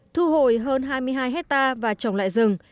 thu hồi hơn hai mươi hai hectare và trồng lại rừng